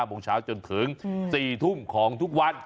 โมงเช้าจนถึง๔ทุ่มของทุกวัน